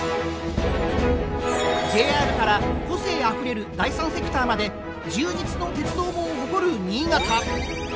ＪＲから個性あふれる第三セクターまで充実の鉄道網を誇る新潟。